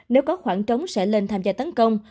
nếu có khoảng trống sẽ lên tham gia tấn công